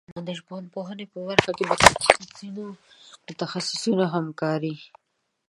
د ژبپوهنې په برخه کې د متخصصینو همکاري ډېره اړینه ده.